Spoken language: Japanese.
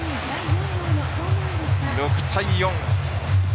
６対４。